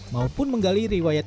maupun menggali riwayat